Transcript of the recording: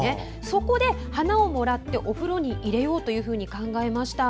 そこで、花をもらってお風呂に入れようと考えました。